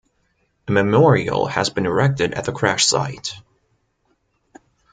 A memorial has been erected at the crash site.